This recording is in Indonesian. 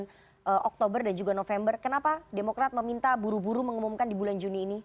kemudian oktober dan juga november kenapa demokrat meminta buru buru mengumumkan di bulan juni ini